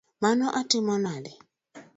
Mano atimo nade?